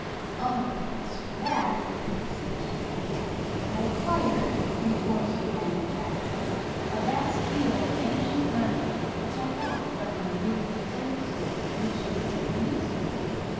"Oh, as for that," said John, "I acquired, in course of manufacture, a vast deal of ancient learning, which I got from an Arabian Elixir with which the baker mixed me.